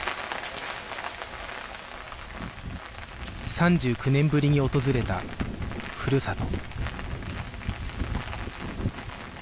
３９年ぶりに訪れたふるさと